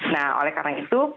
nah oleh karena itu